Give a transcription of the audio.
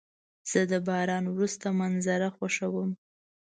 زه د باران وروسته منظره خوښوم.